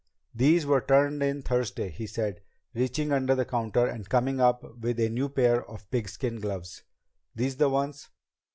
"These were turned in Thursday," he said, reaching under the counter and coming up with a new pair of pigskin gloves. "These the ones?"